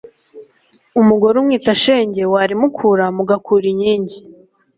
umugore umwita shenge warimukura mugakura inkingi